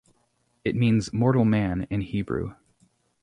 It means "mortal man", in Hebrew.